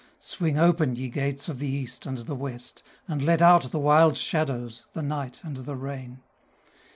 Swing open, ye gates of the east and the west, And let out the wild shadows the night and the rain.